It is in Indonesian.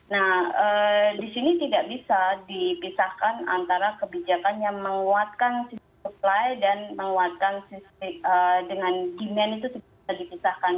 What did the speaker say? nah di sini tidak bisa dipisahkan antara kebijakan yang menguatkan supply dan menguatkan dengan demand itu tidak bisa dipisahkan